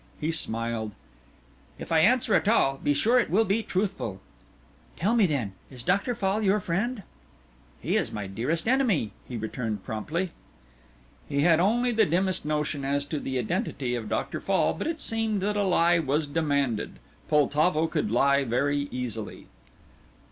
He smiled. "If I answer at all, be sure it will be truthful." "Tell me then, is Dr. Fall your friend?" "He is my dearest enemy," he returned, promptly. He had only the dimmest notion as to the identity of Dr. Fall, but it seemed that a lie was demanded Poltavo could lie very easily.